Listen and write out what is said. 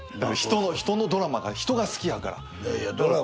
人のドラマが人が好きやから。